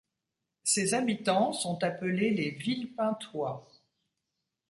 Ses habitants sont appelés les Villepintois.